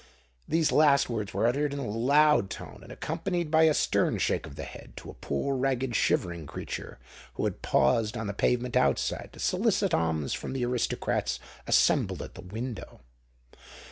These last words were uttered, in a loud tone, and accompanied by a stern shake of the head, to a poor, ragged, shivering creature, who had paused on the pavement outside to solicit alms from the aristocrats assembled at the window.